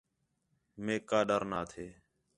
میک کا ڈر نا تھے